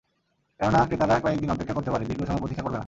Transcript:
কেননা ক্রেতারা কয়েক দিন অপেক্ষা করতে পারে, দীর্ঘ সময় প্রতীক্ষা করবে না।